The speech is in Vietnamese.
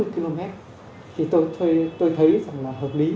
bốn mươi km thì tôi thấy là hợp lý